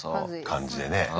感じでね。